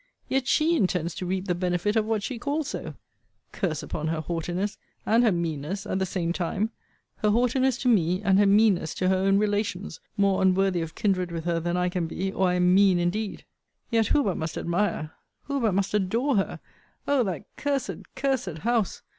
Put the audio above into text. Yet she intends to reap the benefit of what she calls so! Curse upon her haughtiness, and her meanness, at the same time! Her haughtiness to me, and her meanness to her own relations; more unworthy of kindred with her, than I can be, or I am mean indeed. Yet who but must admire, who but must adore her; Oh! that cursed, cursed house!